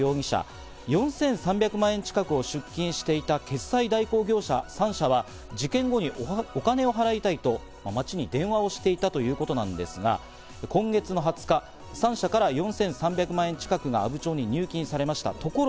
田口翔容疑者が４３００万円近くを出金していた決済代行業者３社は事件後にお金を払いたいと町に電話をしていたということなんですが、今月の２０日、３社から４３００万円近くが阿武町に入金されました。